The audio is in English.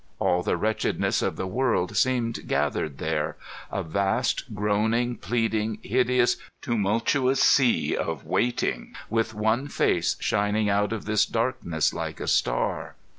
All the wretchedness of the world seemed gathered there, a vast, groaning, pleading, hideous, tumultuous sea of waiting, with one Face shining out of this darkness like a Star.